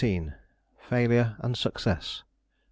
FAILURE AND SUCCESS.